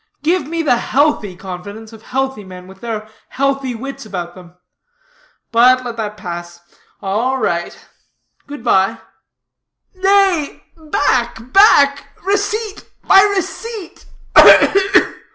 Give me the healthy confidence of healthy men, with their healthy wits about them. But let that pass. All right. Good bye!" "Nay, back, back receipt, my receipt!